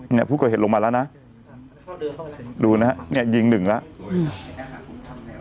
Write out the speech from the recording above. เนี่ยผู้ก่อเหตุลงมาแล้วนะดูนะฮะเนี่ยยิงหนึ่งแล้วอืม